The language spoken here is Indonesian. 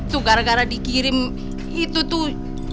tuh gara gara dikirim itu tuh